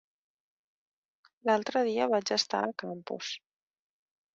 L'altre dia vaig estar a Campos.